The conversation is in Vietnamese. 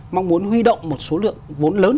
mong muốn huy động một số lượng vốn lớn